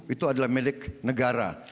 itu adalah milik negara